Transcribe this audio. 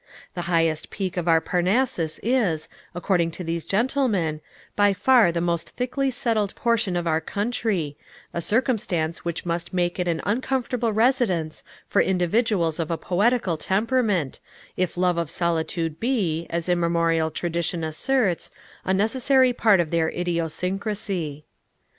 The highest peak of our Parnassus is, according to these gentlemen, by far the most thickly settled portion of the country, a circumstance which must make it an uncomfortable residence for individuals of a poetical temperament, if love of solitude be, as immemorial tradition asserts, a necessary part of their idiosyncrasy.